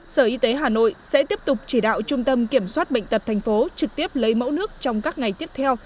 sở y tế hà nội sẽ tiếp tục chỉ đạo trung tâm kiểm soát bệnh tật thành phố trực tiếp lấy mẫu nước trong các ngày tiếp theo